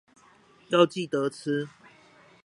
要記得吃